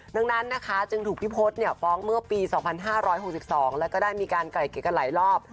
ดังนั้นนะคะจึงถูกพี่พศฟ้องเมื่อปี๒๕๖๒แล้วก็ได้มีการไกล่เกลียกันหลายรอบ